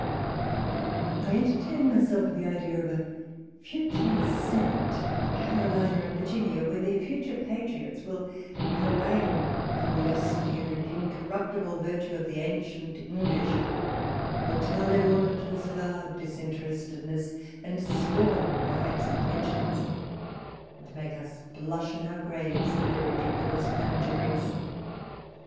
I entertain myself with the idea of a future senate in Carolina and Virginia, where their future patriots will harangue on the austere and in corruptible virtue of the ancient English I will tell their auditors of our disinterestedness and scorn of bribes and pensions, and make us blush in our graves at their ridiculous panegyrics.